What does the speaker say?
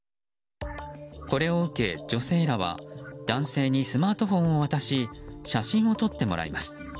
これを受け女性らは男性にスマートフォンを渡し写真を撮ってもらいます。